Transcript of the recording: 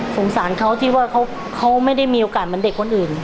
สงสารเขาที่ว่าเขาไม่ได้มีโอกาสเหมือนเด็กคนอื่น